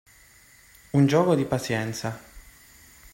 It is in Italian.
Un gioco di pazienza.